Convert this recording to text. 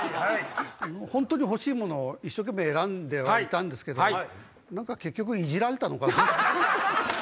本当に欲しいものを一生懸命選んではみたんですけど結局イジられたのかな。